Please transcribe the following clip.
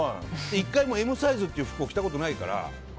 １回もＭサイズっていう服を着たことがないから。